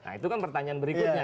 nah itu kan pertanyaan berikutnya